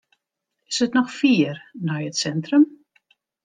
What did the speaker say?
Is it noch fier nei it sintrum?